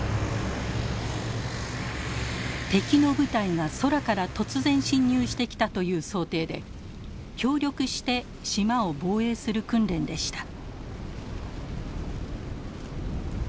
敵の部隊が空から突然侵入してきたという想定で協力して島を防衛する訓練でした。